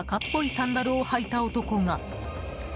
サンダルをはいた男が。